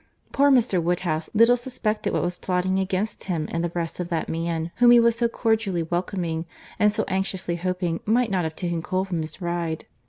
Poor Mr. Woodhouse little suspected what was plotting against him in the breast of that man whom he was so cordially welcoming, and so anxiously hoping might not have taken cold from his ride.